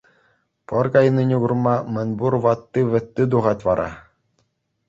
Пӑр кайнине курма мӗнпур ватти-вӗтти тухать вара.